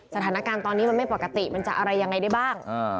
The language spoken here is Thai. สถานการณ์ตอนนี้มันไม่ปกติมันจะอะไรยังไงได้บ้าง